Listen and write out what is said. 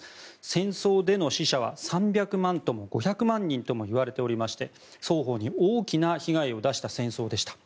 戦争での死者は３００万とも５００万人ともいわれていまして双方に大きな被害を出した戦争でした。